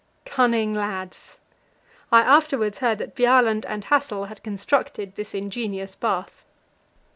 Cunning lads! I afterwards heard that Bjaaland and Hassel had constructed this ingenious bath.